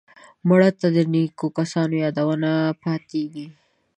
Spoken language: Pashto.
مړه ته د نیکو کسانو یادونه پاتېږي